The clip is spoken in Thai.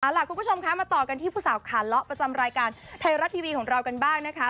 ล่ะคุณผู้ชมคะมาต่อกันที่ผู้สาวขาเลาะประจำรายการไทยรัฐทีวีของเรากันบ้างนะคะ